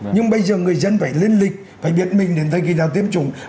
nhưng bây giờ người dân phải lên lịch phải biết mình đến thời kỳ nào tiêm chủng